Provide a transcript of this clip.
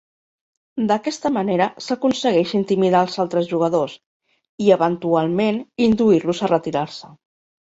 D'aquesta manera s'aconsegueix intimidar els altres jugadors, i eventualment induir-los a retirar-se.